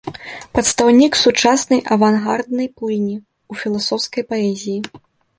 Прадстаўнік сучаснай авангарднай плыні ў філасофскай паэзіі.